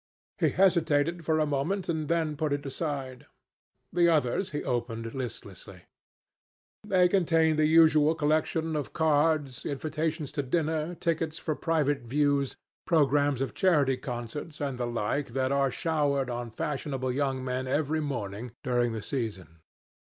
He hesitated for a moment, and then put it aside. The others he opened listlessly. They contained the usual collection of cards, invitations to dinner, tickets for private views, programmes of charity concerts, and the like that are showered on fashionable young men every morning during the season.